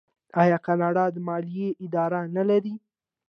آیا کاناډا د مالیې اداره نلري؟